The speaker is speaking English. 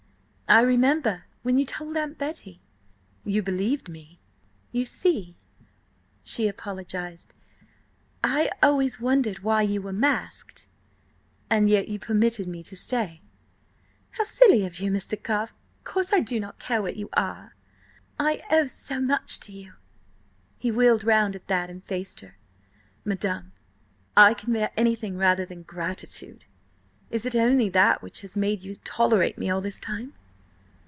I remember when you told Aunt Betty." "You believed me?" "You see," she apologised, "I always wondered why you were masked." "And yet you permitted me to stay—" "How silly of you, Mr. Carr! Of course I do not care what you are! I owe so much to you!" He wheeled round at that, and faced her. "Madam, I can bear anything rather than gratitude! Is it only that which has made you tolerate me all this time?"